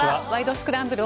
スクランブル」